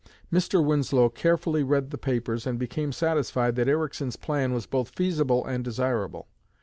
Mr. Winslow carefully read the papers and became satisfied that Ericsson's plan was both feasible and desirable.